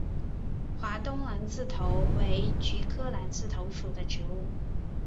华东蓝刺头为菊科蓝刺头属的植物。